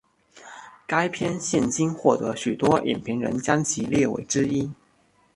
该片现今获得许多影评人将其列为之一。